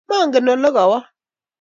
Mangen olegawa